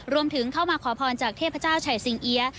รวมถึงเข้ามาขอพรจากเทพเจ้าชัยสิงเอี๊ยะ